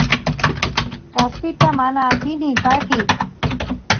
kaspita mana atini pakiy